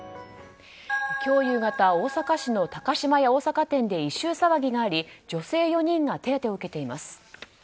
今日夕方大阪市の高島屋大阪店で異臭騒ぎがあり女性４人が手当てを受けています。